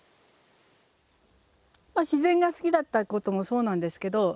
自然が好きだったこともそうなんですけど。